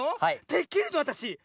できるのわたし？